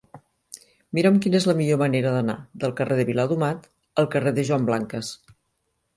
Mira'm quina és la millor manera d'anar del carrer de Viladomat al carrer de Joan Blanques.